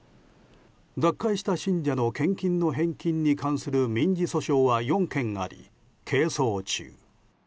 脱会した信者の献金の返金に関する民事訴訟は４件あり係争中。